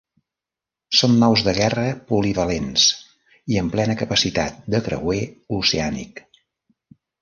Són naus de guerra polivalents i amb plena capacitat de creuer oceànic.